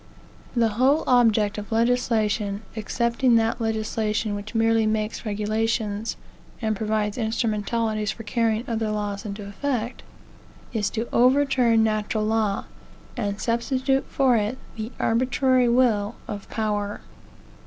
The whole object of legislation, excepting that legislation which merely makes regulations, and provides instrumentalities for carrying other laws into effect, is to overturn natural law, and substitute for it the arbitrary will of power.